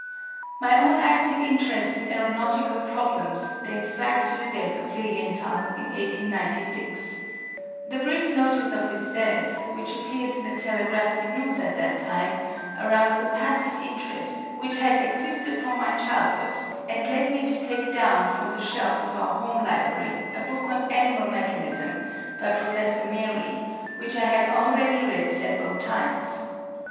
My own active interest in aeronautical problems dates back to the death of Lilienthal in 1896. The brief notice of his death which appeared in the telegraphic news at that time aroused a passive interest which had existed from my childhood, and led me to take down from the shelves of our home library a book on "Animal Mechanism," by Prof. Marey, which I had already read several times.